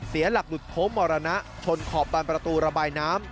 เสียหลักหลุดโค้งมรณะชนขอบบานประตูระบายน้ำ